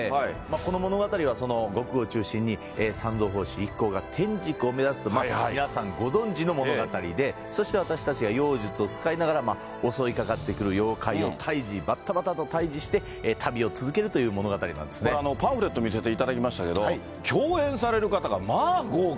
この物語は悟空を中心に、三蔵法師一行が天竺を目指すという、皆さんご存じの物語で、そして私たちが妖術を使いながら、襲いかかってくる妖怪を退治、ばったばたと退治して、パンフレット見せていただきましたけれども、共演される方がまあ豪華。